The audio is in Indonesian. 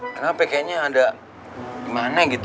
kenapa kayaknya ada gimana gitu